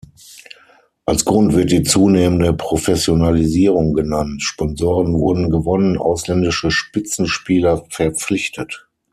Als Grund wird die zunehmende Professionalisierung genannt: Sponsoren wurden gewonnen, ausländische Spitzenspieler verpflichtet.